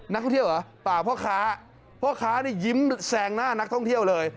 นักท่องเที่ยวเหรอปากพ่อค้าพ่อค้านี่ยิ้มแซงหน้านักท่องเที่ยวเลย